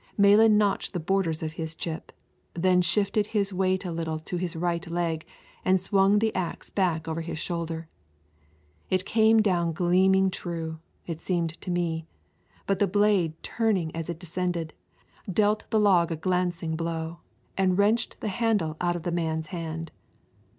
Malan notched the borders of his chip, then shifted his weight a little to his right leg and swung the axe back over his shoulder. It came down gleaming true, it seemed to me, but the blade, turning as it descended, dealt the log a glancing blow and wrenched the handle out of the man's hand.